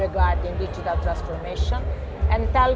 akan diperoleh dalam perubahan digital